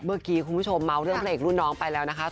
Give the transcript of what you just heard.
เมื่อกี้คุณผู้ชมเมาส์เรื่องพระเอกรุ่นน้องไปแล้วนะคะ